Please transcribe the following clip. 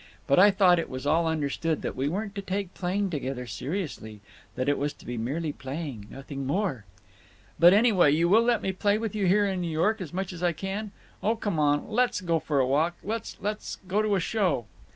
But I thought it was all understood that we weren't to take playing together seriously; that it was to be merely playing—nothing more." "But, anyway, you will let me play with you here in New York as much as I can? Oh, come on, let's go for a walk—let's—let's go to a show."